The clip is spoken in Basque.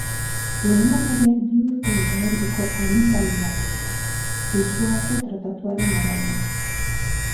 Lehendakariak bi urte eta erdiko agintaldia du, Lisboako tratatuaren arabera.